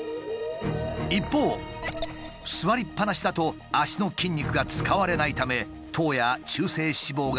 一方座りっぱなしだと脚の筋肉が使われないため糖や中性脂肪が取り込まれにくくなり増加。